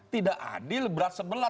tidak adil berat sebelah